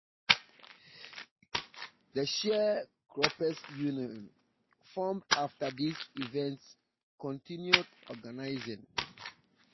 The Share Croppers' Union, formed after these events, continued organizing.